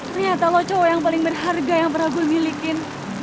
ternyata lo cowok yang paling berharga yang pernah gue milikin